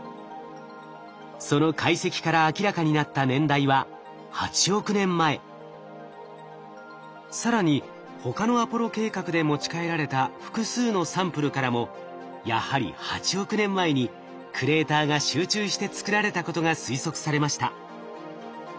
その解析から明らかになった年代は更に他のアポロ計画で持ち帰られた複数のサンプルからもやはり８億年前にクレーターが集中して作られたことが推測されました。